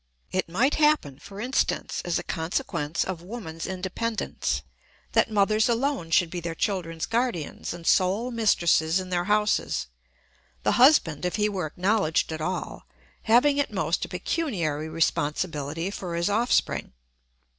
It might happen, for instance, as a consequence of woman's independence, that mothers alone should be their children's guardians and sole mistresses in their houses; the husband, if he were acknowledged at all, having at most a pecuniary responsibility for his offspring.